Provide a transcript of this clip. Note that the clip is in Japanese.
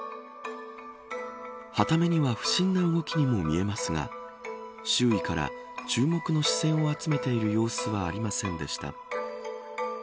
はた目には不審な動きにも見えますが周囲から注目の視線を集めている様子はありませんでした。